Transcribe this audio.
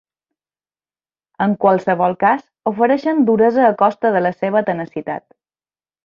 En qualssevol cas, ofereixen duresa a costa de la seva tenacitat.